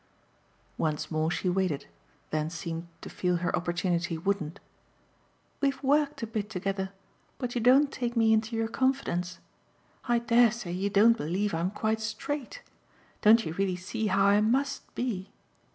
Once more she waited, then seemed to feel her opportunity wouldn't. "We've worked a bit together, but you don't take me into your confidence. I dare say you don't believe I'm quite straight. Don't you really see how I MUST be?"